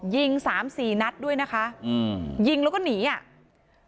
ยิงสามสี่นัดด้วยนะคะอืมยิงแล้วก็หนีอ่ะ